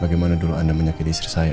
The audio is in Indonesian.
bagaimana dulu anda menyakiti istri saya